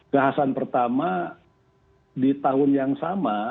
bahasan pertama di tahun yang sama